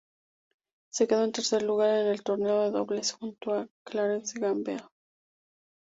Se quedó en tercer lugar en el torneo de dobles junto a Clarence Gamble.